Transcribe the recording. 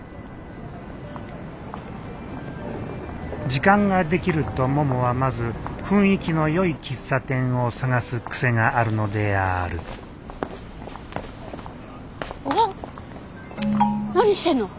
時間ができるとももはまず雰囲気のよい喫茶店を探す癖があるのであるわっ何してんの。